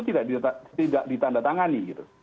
tidak ditanda tangani